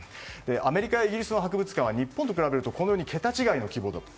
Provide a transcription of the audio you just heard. アメリカやイギリスの博物館は日本と比べるとこのように桁違いの規模だと。